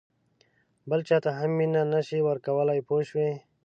بل چاته هم مینه نه شې ورکولای پوه شوې!.